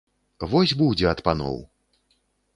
Вось будзе ад паноў!